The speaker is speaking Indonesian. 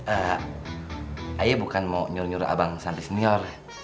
eh ayo bukan mau nyuruh nyuruh abang santi senior